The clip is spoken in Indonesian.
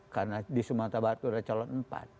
karena di sumatera barat sudah calon empat